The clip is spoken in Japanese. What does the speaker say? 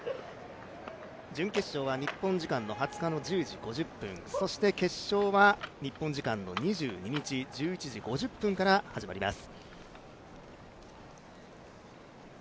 準決勝は日本時間の２０日１０時５０分、そして決勝は日本時間の２２日、１１時５０分から始まります。